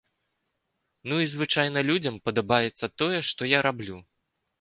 Ну і звычайна людзям падабаецца тое, што я раблю.